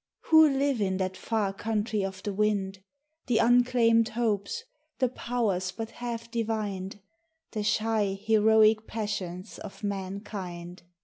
Who live in that far country of the wind ? The unclaimed hopes, the powers but half divined, The shy, heroic passions of mankind.